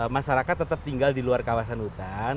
masyarakat tetap tinggal di luar kawasan hutan